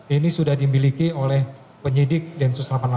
ini sudah dimiliki oleh penyidik dan sosialisasi